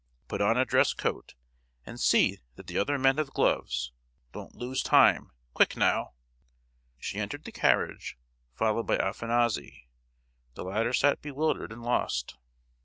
Put on a dress coat, and see that the other men have gloves: don't lose time. Quick, now!" She entered the carriage, followed by Afanassy. The latter sat bewildered and lost.